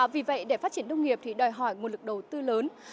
vì vậy để phát triển nông nghiệp thì đòi hỏi nguồn lực đầu tư lớn